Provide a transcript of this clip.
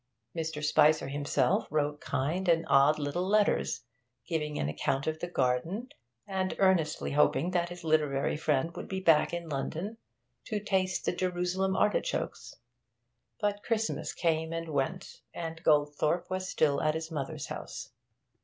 Mr. Spicer himself wrote kind and odd little letters, giving an account of the garden, and earnestly hoping that his literary friend would be back in London to taste the Jerusalem artichokes. But Christmas came and went, and Goldthorpe was still at his mother's house.